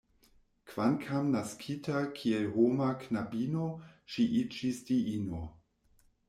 Kvankam naskita kiel homa knabino, ŝi iĝis diino.